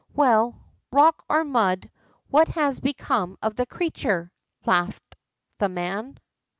^ Well, rock or mud, what has become of the creature ?' laughed the man.